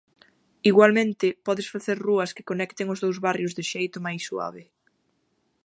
Igualmente, podes facer rúas que conecten os dous barrios de xeito máis suave.